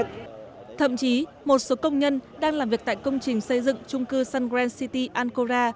thậm chí một số công nhân đang làm việc tại công trình xây dựng trung cư sun grand city ankora